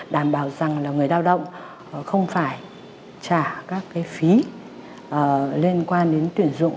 đảm bảo rằng là người lao động không phải trả các cái phí liên quan đến tuyển dụng